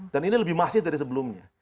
dan ini lebih masif dari sebelumnya